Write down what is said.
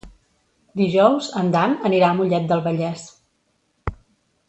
Dijous en Dan anirà a Mollet del Vallès.